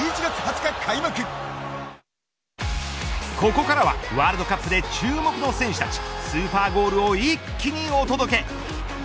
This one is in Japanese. ここからはワールドカップで注目の選手たちスーパーゴールを一気にお届け。